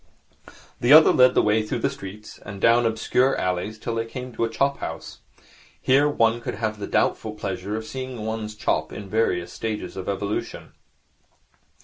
The other led the way through the streets and down obscure alleys till they came to a chop house. Here one could have the doubtful pleasure of seeing one's chop in its various stages of evolution.